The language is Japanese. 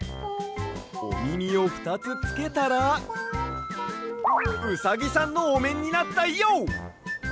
おみみをふたつつけたらうさぎさんのおめんになったＹＯ！